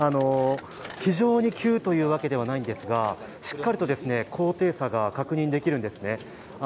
非常に急というわけではないんですがしっかりと高低差が確認できるんですね。